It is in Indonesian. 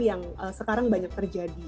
yang sekarang banyak terjadi